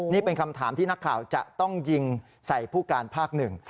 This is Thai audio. นี่เป็นคำถามที่นักข่าวจะต้องยิงใส่ผู้การภาคหนึ่ง